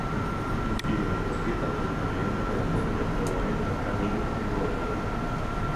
Il film fu scritto appositamente per la coppia di attori da Kanin e Gordon.